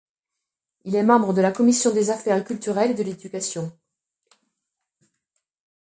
Il est membre de la Commission des affaires culturelles et de l'éducation.